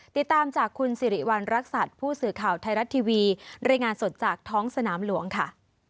ติดตามจากคุณสิริวัณรักษัตริย์ผู้สื่อข่าวไทยรัฐทีวีรายงานสดจากท้องสนามหลวงค่ะ